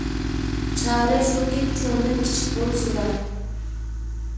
چارە شۇكى، چوڭدىن كىچىك بولسىلا.